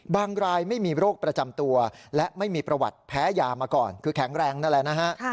รายไม่มีโรคประจำตัวและไม่มีประวัติแพ้ยามาก่อนคือแข็งแรงนั่นแหละนะฮะ